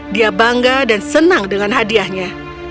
dia bangga dan senang dengan hadiahnya